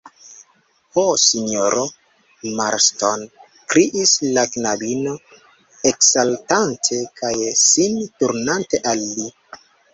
Ho, sinjoro Marston, kriis la knabino, eksaltante kaj sin turnante al li.